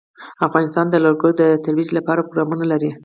افغانستان د لوگر د ترویج لپاره پروګرامونه لري.